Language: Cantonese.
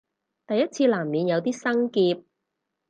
第一次難免有啲生澀